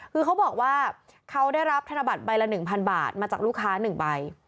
คือเขาบอกว่าเขาได้รับธนบัตรใบละ๑๐๐บาทมาจากลูกค้า๑ใบ